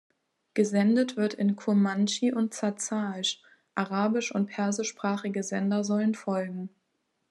Gesendet wird in Kurmandschi und Zazaisch; arabisch- und persischsprachige Sender sollen folgen.